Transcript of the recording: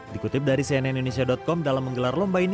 dikutip dari cnn indonesia com dalam menggelar lomba ini